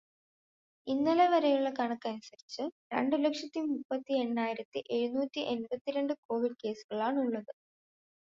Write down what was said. ഇന്നലെവരെയുള്ള കണക്കനുസരിച്ച് രണ്ടു ലക്ഷത്തി മുപ്പത്തി എണ്ണായിരത്തി എഴുന്നൂറ്റി എൺപത്തിരണ്ടു കോവിഡ് കേസുകളാണുള്ളത്.